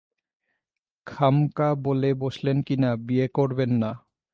খামকা বলে বসলেন কিনা, বিয়ে করবেন না।